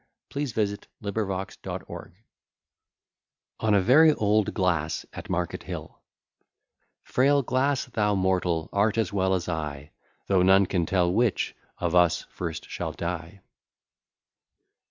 See "My Lady's Lamentation," next page. W. E. B.] ON A VERY OLD GLASS AT MARKET HILL Frail glass! thou mortal art as well as I; Though none can tell which of us first shall die.